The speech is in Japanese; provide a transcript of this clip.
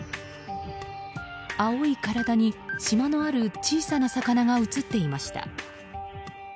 青い体に、しまのある小さな魚が映っていました。